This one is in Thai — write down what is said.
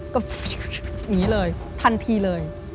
ก็อย่างนี้เลยทันทีเลย